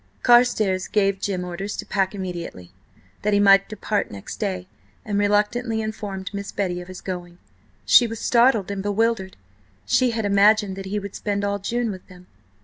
Carstares gave Jim orders to pack immediately, that he might depart next day, and reluctantly informed Miss Betty of his going. She was startled and bewildered. She had imagined that he would spend all June with them.